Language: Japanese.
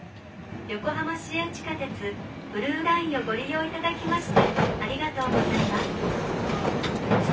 横浜市営地下鉄ブルーラインをご利用頂きましてありがとうございます」。